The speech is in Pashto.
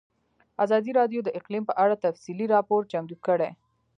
ازادي راډیو د اقلیم په اړه تفصیلي راپور چمتو کړی.